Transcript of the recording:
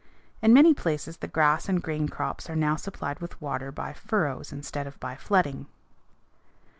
In many places the grass and grain crops are now supplied with water by furrows instead of by flooding.